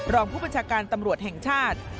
รองผู้บัญชาการตำรวจแห่งชาติ